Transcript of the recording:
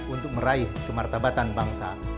untuk meraih kemertabatan bangsa